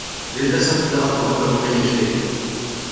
للأسف، لا أتذكر أي شيء.